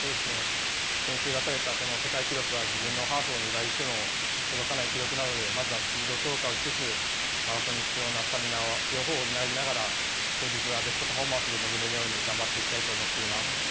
先週、出された世界記録は、自分のハーフを２倍しても届かない記録なので、まずはスピード強化をしつつ、マラソンに必要なスタミナ、両方を補いながら、当日はベストパフォーマンスで臨めるように頑張っていきたいと思っています。